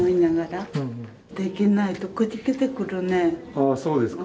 ああそうですか。